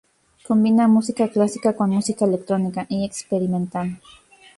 Combina música clásica, con música electrónica y experimental.